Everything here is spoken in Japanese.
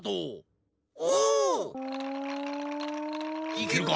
いけるか？